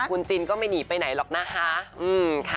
คุณจินก็ไม่หนีไปไหนหรอกนะคะ